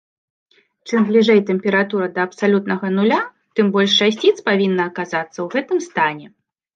Чым бліжэй тэмпература да абсалютнага нуля, тым больш часціц павінна аказацца ў гэтым стане.